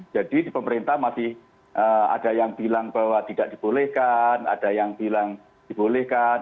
jadi di pemerintah masih ada yang bilang bahwa tidak dibolehkan ada yang bilang dibolehkan